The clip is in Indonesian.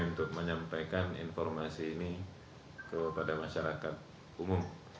untuk menyampaikan informasi ini kepada masyarakat umum